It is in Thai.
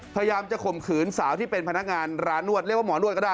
พยายามจะข่มขืนสาวที่เป็นพนักงานร้านนวดเรียกว่าหมอนวดก็ได้